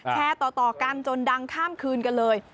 แชร์ต่อกันจนดังข้ามคืนกันเลย